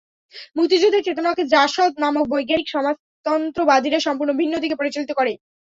মুক্তিযুদ্ধের চেতনাকে জাসদ নামক বৈজ্ঞানিক সমাজতন্ত্রবাদীরা সম্পূর্ণ ভিন্ন দিকে পরিচালিত করে।